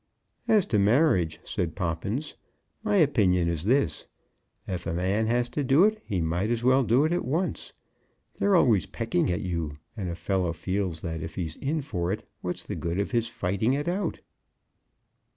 "As to marriage," said Poppins, "my opinion is this; if a man has to do it, he might as well do it at once. They're always pecking at you; and a fellow feels that if he's in for it, what's the good of his fighting it out?"